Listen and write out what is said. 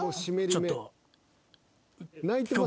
ちょっと。